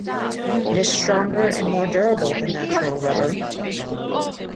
It is stronger and more durable than natural rubber.